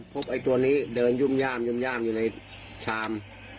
ไอ้ตัวนี้เดินยุ่มย่ามอยู่ในชาม